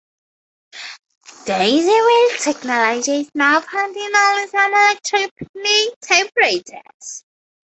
Daisy wheel technology is now found only in some electronic typewriters.